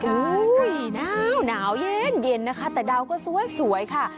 อุ้ยนาวนาวเย็นเย็นนะคะแต่ดาวก็สวยสวยค่ะ